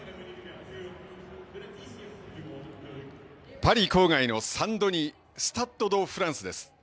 パリ郊外のサンドニスタッド・ド・フランスです。